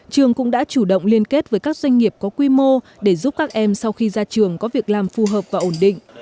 trường cũng đã chủ động liên kết với các doanh nghiệp có quy mô để giúp các em sau khi ra trường có việc làm phù hợp và ổn định